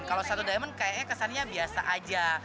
kalau satu diamond kayaknya kesannya biasa aja